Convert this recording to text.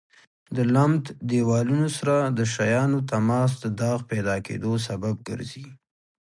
د لمد دېوالونو سره د شیانو تماس د داغ پیدا کېدو سبب ګرځي.